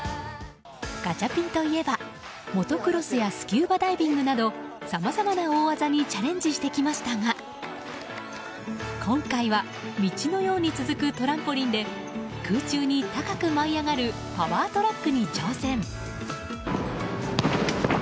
ガチャピンといえばモトクロスやスキューバダイビングなどさまざまな大技にチャレンジしてきましたが今回は道のように続くトランポリンで空中に高く舞い上がるパワートラックに挑戦。